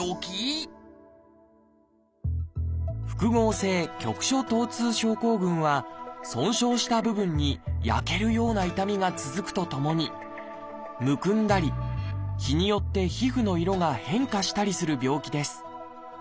「複合性局所疼痛症候群」は損傷した部分に焼けるような痛みが続くとともにむくんだり日によって皮膚の色が変化したりする病気です。